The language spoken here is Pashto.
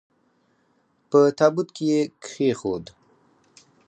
په تابوت کې یې کښېښود.